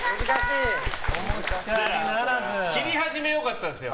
切り始めは良かったです。